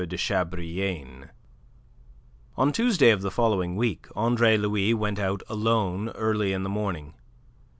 de Chabrillane. On Tuesday of the following week, Andre Louis went out alone early in the morning.